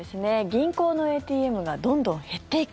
銀行のＡＴＭがどんどん減っていく。